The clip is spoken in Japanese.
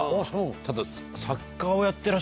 ただ。